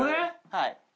はい。